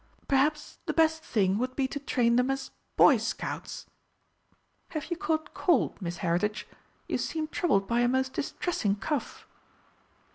Perhaps the best thing would be to train them as Boy Scouts.... Have you caught cold, Miss Heritage? You seem troubled by a most distressing cough."